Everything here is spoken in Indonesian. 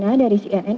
saya lina dari cnn